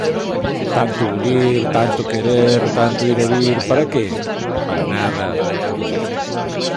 Tanto bulir, tanto querer, tanto ir e vir, para que? Para nada